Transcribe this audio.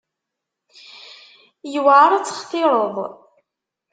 Yewεer ad textireḍ.